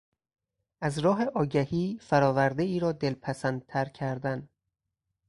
از راه آگهی فرآوردهای را دلپسندتر کردن